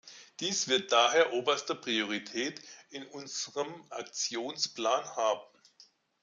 Dies wird daher oberste Priorität in unserem Aktionsplan haben.